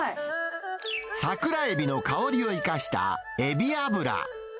桜エビの香りを生かしたエビ油。